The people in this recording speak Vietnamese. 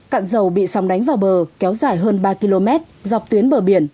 cạn dầu bị sóng đánh vào bờ kéo dài hơn ba km dọc tuyến bờ biển